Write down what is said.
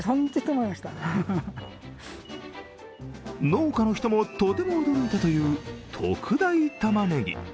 農家の人も、とても驚いたという特大たまねぎ。